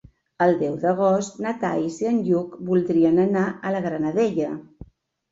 El deu d'agost na Thaís i en Lluc voldrien anar a la Granadella.